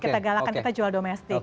kita galakkan kita jual domestik